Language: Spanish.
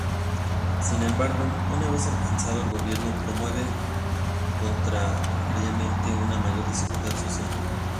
Sin embargo, una vez alcanzado el gobierno promueven contrariamente una mayor desigualdad social.